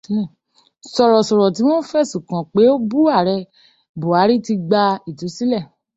Sọ̀rọ̀sọ̀rọ̀ tí wọ́n fẹ̀sùn kàn pé ó bú ààrẹ Bùhárí ti gbá ìtúsílẹ̀.